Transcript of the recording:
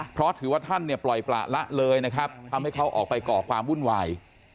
เพราะถือว่าท่านเนี่ยปล่อยประละเลยนะครับทำให้เขาออกไปก่อความวุ่นวาย